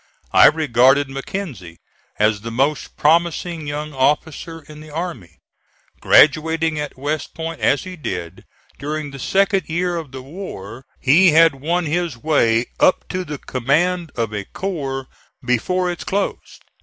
I regarded Mackenzie as the most promising young officer in the army. Graduating at West Point, as he did, during the second year of the war, he had won his way up to the command of a corps before its close.